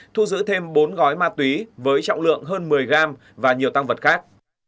thu giữ thêm bốn gói ma túy với trọng lượng hơn một mươi gram và nhiều tăng vật khác